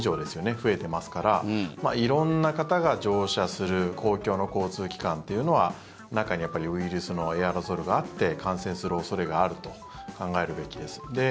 増えてますから色んな方が乗車する公共の交通機関というのは中に、やっぱりウイルスのエアロゾルがあって感染する恐れがあると考えるべきです。